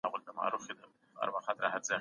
سياستپوهنه د انساني اړيکو تر ټولو پېچلې برخه ده.